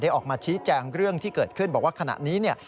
ออกมาชี้แจงเรื่องที่เกิดขึ้นบอกว่าขณะนี้เนี่ย